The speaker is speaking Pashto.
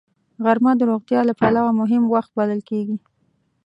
غرمه د روغتیا له پلوه مهم وخت بلل کېږي